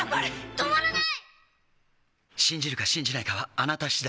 止まらない！